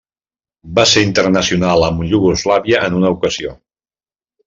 Va ser internacional amb Iugoslàvia en una ocasió.